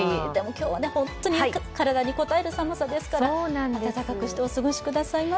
今日は本当に体にこたえる寒さですから暖かくしてお過ごしください。